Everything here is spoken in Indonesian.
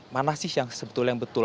mana sih yang sebetulnya yang betul